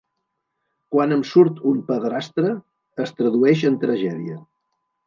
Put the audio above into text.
Quan em surt un padrastre, es tradueix en tragèdia.